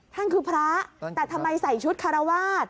ท่านคือพระแต่ทำไมใส่ชุดคารวาส